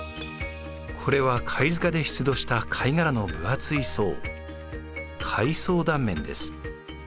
これは貝塚で出土した貝殻の分厚い層貝層断面です。